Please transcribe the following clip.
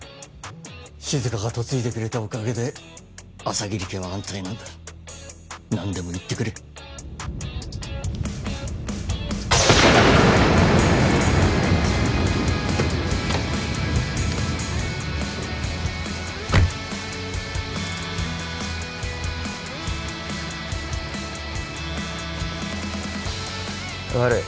静が嫁いでくれたおかげで朝霧家は安泰なんだ何でも言ってくれ悪い